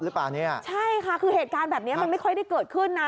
ใช่ค่ะคือเหตุการณ์แบบนี้มันไม่ค่อยได้เกิดขึ้นนะ